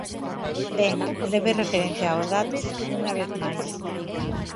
Ben, breve referencia aos datos, unha vez máis.